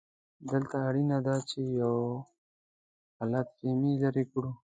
دلته اړینه ده چې یو غلط فهمي لرې کړو.